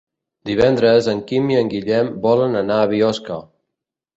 Divendres en Quim i en Guillem volen anar a Biosca.